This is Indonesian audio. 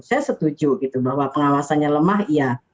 saya setuju gitu bahwa pengawasannya lemah iya